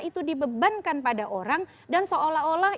itu dibebankan pada orang dan seolah olah